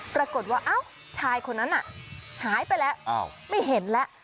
ปรากฏว่าชายคนนั้นน่ะหายไปแล้วไม่เห็นแล้ว